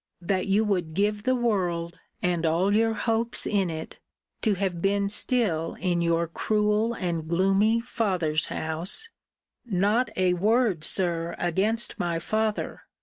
that you would give the world, and all your hopes in it, to have been still in your cruel and gloomy father's house' Not a word, Sir, against my father!